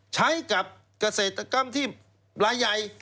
ใช้กับเกษตรกรรมที่ระไย